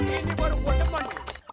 ini baru buat demam